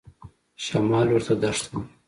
شمال لور ته دښته وه.